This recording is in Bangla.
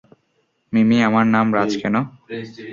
মিমি, আমার নাম রাজ কেন?